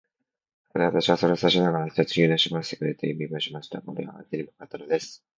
そこで、私はそれを指さしながら、ひとつ牛乳をしぼらせてくれという身振りをしました。これが相手にもわかったのです。